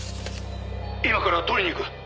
「今から取りに行く！」